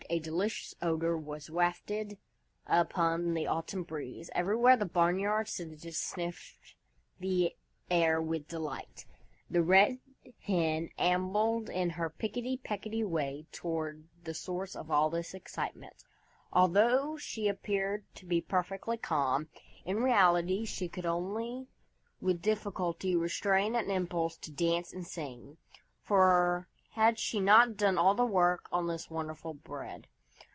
A delicious odor was wafted upon the autumn breeze. Everywhere the barnyard citizens sniffed the air with delight. The Red Hen ambled in her picketty pecketty way toward the source of all this excitement. Although she appeared to be perfectly calm, in reality she could only with difficulty restrain an impulse to dance and sing, for had she not done all the work on this wonderful bread?